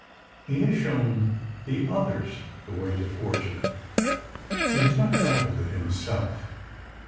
He has shown the others the way to fortune—he has not travelled it himself.